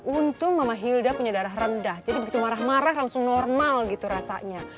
untung mama hilda punya darah rendah jadi begitu marah marah langsung normal gitu rasanya